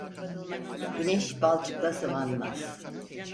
Güneş balçıkla sıvanmaz.